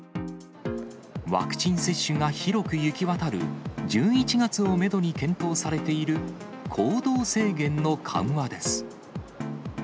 ワクチン接種が広く行き渡る１１月をメドに検討されている行動制限の緩和です。